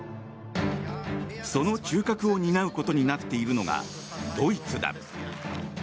その中核を担うことになっているのがドイツだ。